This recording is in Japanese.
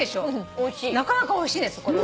なかなかおいしいです